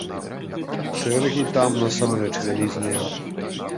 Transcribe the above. Чэргі там насамрэч вялізныя.